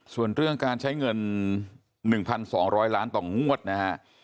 ส่วนเรื่องการใช้เงิน๑๒๐๐ล้านต่องวดนะฮะ